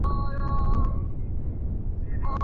আমার বাবার শেষে কেন।